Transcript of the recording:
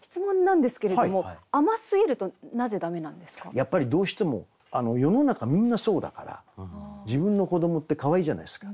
やっぱりどうしても世の中みんなそうだから自分の子どもってかわいいじゃないですか。